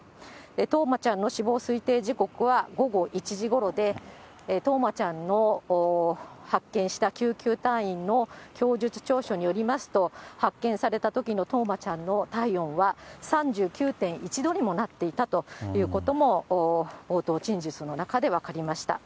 冬生ちゃんの死亡推定時刻は午後１時ごろで、冬生ちゃんの発見した救急隊員の供述調書によりますと、発見されたときの冬生ちゃんの体温は３９．１度にもなっていたということも冒頭陳述の中で分かりました。